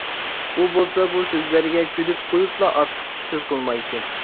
ئۇ بولسا بۇ سۆزلەرگە كۈلۈپ قويۇپلا ئارتۇقچە سۆز قىلمايتتى.